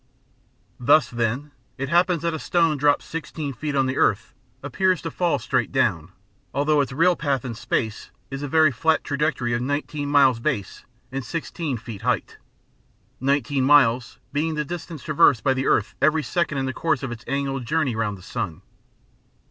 Thus, then, it happens that a stone dropped sixteen feet on the earth appears to fall straight down, although its real path in space is a very flat trajectory of nineteen miles base and sixteen feet height; nineteen miles being the distance traversed by the earth every second in the course of its annual journey round the sun.